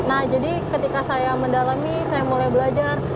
nah jadi ketika saya mendalami saya mulai belajar